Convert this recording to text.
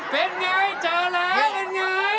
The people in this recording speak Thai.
เป็นไงจ่าหรอเป็นไง